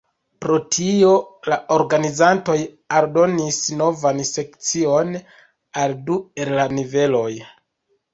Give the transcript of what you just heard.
Pro tio, la organizantoj aldonis novan sekcion al du el la niveloj.